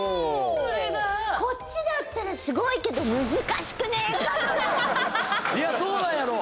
こっちだったらすごいけどいや、どうなんやろう！